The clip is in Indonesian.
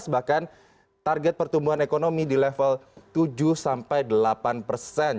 bahkan target pertumbuhan ekonomi di level tujuh sampai delapan persen